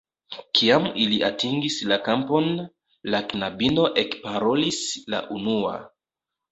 Kiam ili atingis la kampon, la knabino ekparolis la unua.